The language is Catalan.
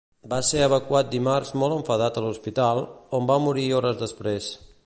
Va ser evacuat dimarts molt enfadat a l'hospital, on va morir hores després.